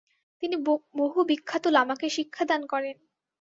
তিনি বহু বিখ্যাত লামাকে শিক্ষাদান করেন।